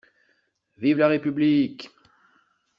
Vive la République!